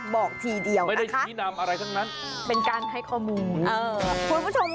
บอกทีเดียวนะคะเป็นการให้ข้อมูลไม่ได้ชี้นามอะไรทั้งนั้น